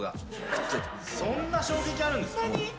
そんな衝撃あるんですか？